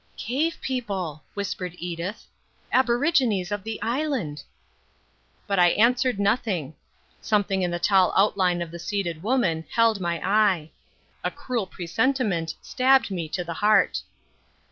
"Cave people," whispered Edith, "aborigines of the island." But I answered nothing. Something in the tall outline of the seated woman held my eye. A cruel presentiment stabbed me to the heart.